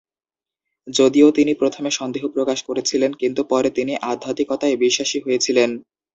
যদিও তিনি প্রথমে সন্দেহ প্রকাশ করেছিলেন কিন্তু পরে তিনি আধ্যাত্মিকতায় বিশ্বাসী হয়েছিলেন।